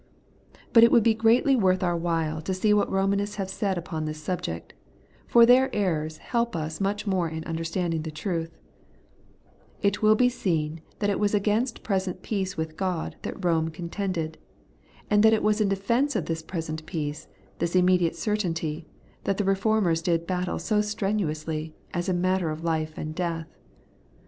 But it will be greatly worth our while to see what Eomanists have said upon this subject ; for their errors help us much in imderstanding the trutL It will be seen that it was against present peace with God that Eome contended ; and that it was in defence of this present peace, this immediate certainty, that the Eeformers did battle so strenu ously, as a matter of life and death.